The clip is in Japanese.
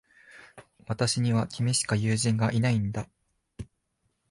私には、君しか友人がいないんだ。